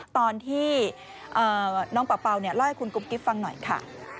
ตอนที่น้องเป่าเล่าให้คุณกุ๊บกิ๊บฟังหน่อยค่ะ